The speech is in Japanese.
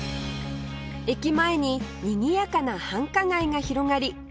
駅前ににぎやかな繁華街が広がり